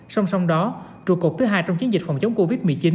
song song đó trụ cột thứ hai trong chiến dịch phòng chống covid một mươi chín